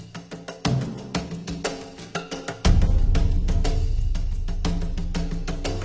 เก้าชีวิตหรือเราให้เจ้าของโน้น